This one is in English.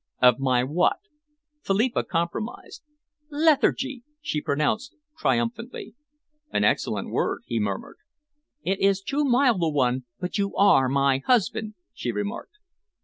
"Of my what?" Philippa compromised. "Lethargy," she pronounced triumphantly. "An excellent word," he murmured. "It is too mild a one, but you are my husband," she remarked.